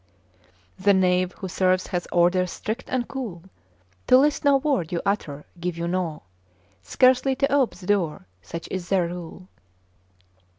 The knave who serves hath orders strict and cool To list no word you utter, give you naught, Scarcely to ope the door; such is their rule.